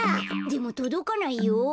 でもとどかないよ。